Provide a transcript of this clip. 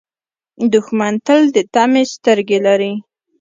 دښمن تل د طمعې سترګې لري